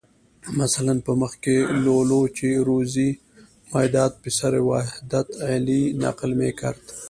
مثلاً په مخ کې لولو چې روزي میاداد پسر وحدت علي نقل میکرد.